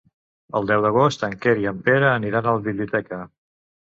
El deu d'agost en Quer i en Pere aniran a la biblioteca.